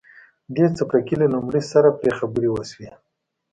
دې څپرکي له لومړي سره پرې خبرې وشوې.